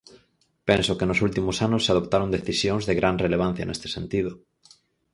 Penso que nos últimos anos se adoptaron decisións de gran relevancia neste sentido.